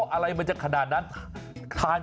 อะไรมันจะขนาดนั้น